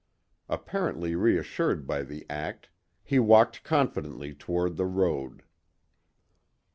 Apparently reassured by the act, he walked confidently toward the road.